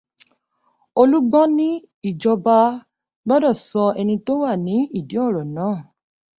Olúgbọ́n ní ìjọba gbọdọ̀ sọ ẹni tó wà ní ìdí ọ̀rọ̀ náà.